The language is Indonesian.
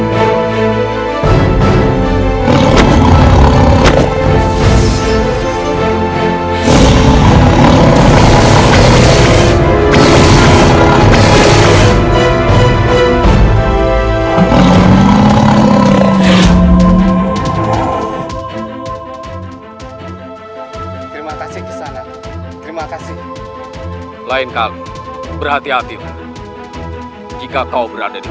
terima kasih kesana terima kasih lain kali berhati hatilah jika kau berada di